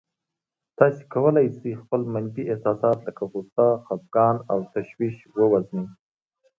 تاسې کولای شئ خپل منفي احساسات لکه غوسه، خپګان او تشويش ووژنئ.